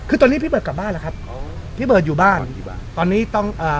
คือตอนนี้พี่เบิร์ดกลับบ้านแล้วครับอ๋อพี่เบิร์ดอยู่บ้านอยู่บ้านตอนนี้ต้องอ่า